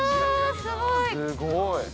すごい。